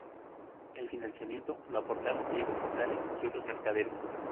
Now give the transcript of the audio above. El financiamiento lo aportaron Diego Portales y otros mercaderes.